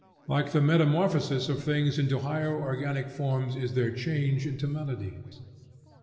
Like the metamorphosis of things into higher organic forms is their change into melodies.